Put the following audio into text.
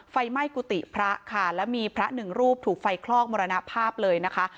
ไฟไหม้กุฏิพระค่ะแล้วมีพระหนึ่งรูปถูกไฟคลอกมรณภาพเลยนะคะ